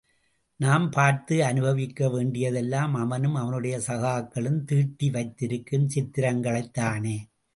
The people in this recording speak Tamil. நாம் பார்த்து அனுபவிக்க வேண்டியதெல்லாம் அவனும் அவனுடைய சகாக்களும் தீட்டி வைத்திருக்கும் சித்திரங்களைத் தானே.